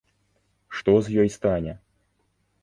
Што з ёй стане?